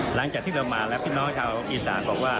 หลังจากที่เรามาแล้วพี่น้องชาวอีสานบอกว่า